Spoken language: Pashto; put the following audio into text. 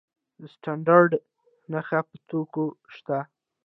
د سټنډرډ نښه په توکو شته؟